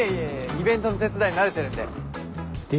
イベントの手伝い慣れてるんで。